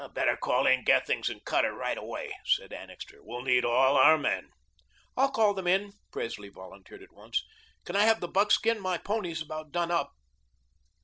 "Better call in Gethings and Cutter right away," said Annixter. "We'll need all our men." "I'll call them in," Presley volunteered at once. "Can I have the buckskin? My pony is about done up."